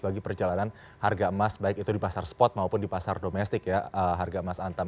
bagi perjalanan harga emas baik itu di pasar spot maupun di pasar domestik ya harga emas antam